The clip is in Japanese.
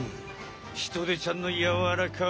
ヒトデちゃんのやわらかい動き